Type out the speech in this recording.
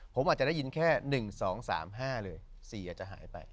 ผมอาจจะได้ยินแค่๑๒๓๕เลย๔อาจจะหายไป